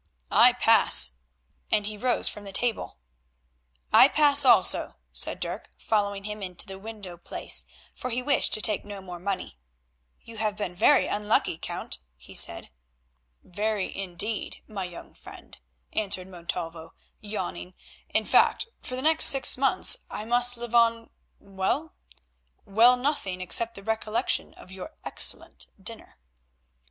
I pass," and he rose from the table. "I pass also," said Dirk following him into the window place, for he wished to take no more money. "You have been very unlucky, Count," he said. "Very, indeed, my young friend," answered Montalvo, yawning, "in fact, for the next six months I must live on—well—well, nothing, except the recollection of your excellent dinner."